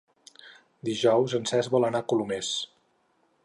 Dijous en Cesc vol anar a Colomers.